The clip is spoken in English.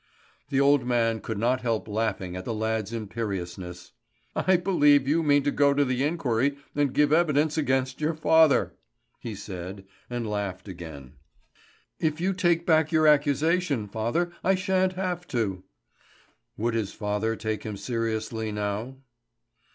The old man could not help laughing at the lad's imperiousness. "I believe you mean to go to the inquiry and give evidence against your father!" he said, and laughed again. "If you take back your accusation, father, I shan't have to." Would his father take him seriously now?